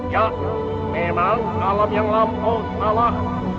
ya memang alam yang lampau salah